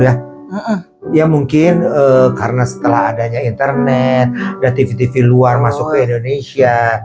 ya mungkin karena setelah adanya internet ada tv tv luar masuk ke indonesia